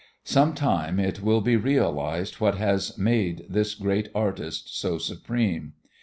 Some time it will be realized what has made this great artist so supreme.